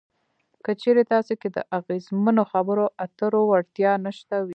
که چېرې تاسې کې د اغیزمنو خبرو اترو وړتیا نشته وي.